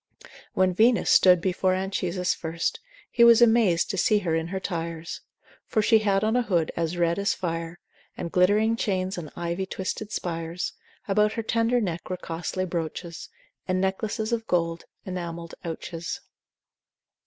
——— When Venus stood before Anchises first, He was amaz'd to see her in her tires; For she had on a hood as red as fire, And glittering chains, and ivy twisted spires, About her tender neck were costly brooches, And necklaces of gold, enamell'd ouches.